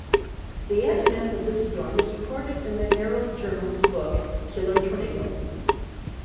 The aftermath of this storm is recorded in the Herald Journal's book, "Killer Tornado".